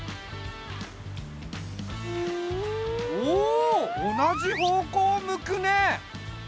おお同じ方向を向くね！